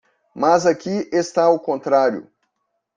Mas aqui está o contrário.